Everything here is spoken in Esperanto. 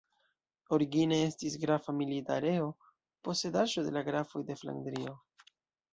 Origine estis grafa milita areo, posedaĵo de la grafoj de Flandrio.